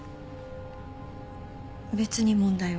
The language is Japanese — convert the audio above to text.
別に問題は。